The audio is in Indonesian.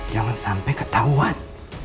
jangan sampai ketahuan